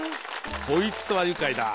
「こいつはゆかいだ」。